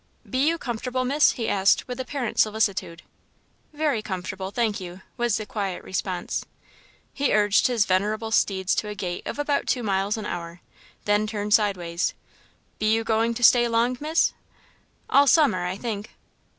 "Be you comfortable, Miss?" he asked, with apparent solicitude. "Very comfortable, thank you," was the quiet response. He urged his venerable steeds to a gait of about two miles an hour, then turned sideways. "Be you goin' to stay long, Miss?" "All Summer, I think."